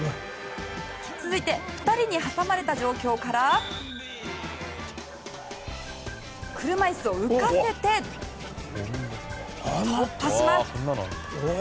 続いて２人に挟まれた状況から車いすを浮かせて突破します。